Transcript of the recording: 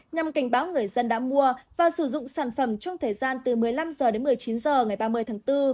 nhằm cảnh báo người dân đã mua và sử dụng sản phẩm trong thời gian từ một mươi năm h đến một mươi chín h ngày ba mươi tháng bốn